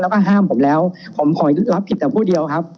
แล้วก็ห้ามผมแล้วผมขอรับผิดแต่ผู้เดียวครับ